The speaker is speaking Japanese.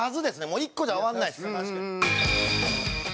もう１個じゃ終わらないです。